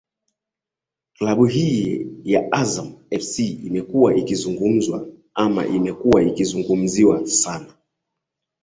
klabu hii ya azam fc imekuwa ikizungumzwa ama imekuwa ikizungumziwa sana